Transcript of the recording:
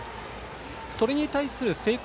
それに対する聖光